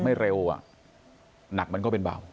ไม่เร็วอ่ะหนักมันก็เป็นเบา